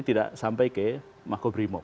tidak sampai ke makobrimo